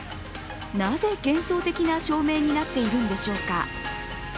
なぜ幻想的な照明になっているんでしょうか。